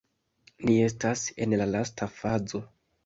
Ni estas en la lasta fazo